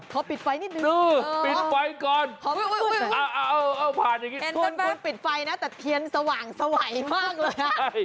เขาปิดไฟนิดนึงเออตอนคุณปิดไฟนะแต่เทียนสว่างสไหวมากเลยนะ